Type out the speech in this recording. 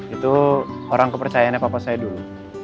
itu orang kepercayaannya papa saya dulu